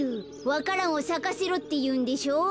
わか蘭をさかせろっていうんでしょう。